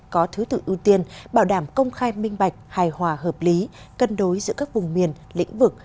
có thứ tự ưu tiên bảo đảm công khai minh bạch hài hòa hợp lý cân đối giữa các vùng miền lĩnh vực